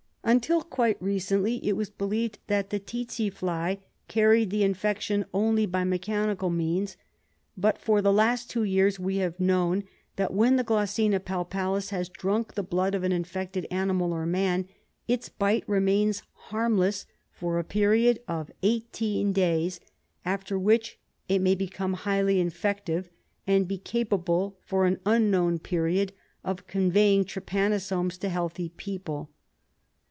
Until quite lately, it was believed that the tsetse fly RESEARCH DEFENCE SOCIETY carried the infection only by mechanical means, but for the last two years we have known that, when the Glossina pal palis has drunk the blood of an infected animal or man, its bite remains harmless for a period of 18 days, after which it may become highly infective, and be capable, for an unknown period, of conveying trypanosomes to healthy people.